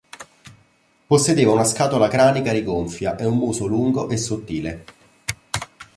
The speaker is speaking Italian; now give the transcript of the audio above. Possedeva una scatola cranica rigonfia e un muso lungo e sottile.